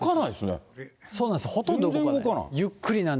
そうなんですよ、ほとんど動かない。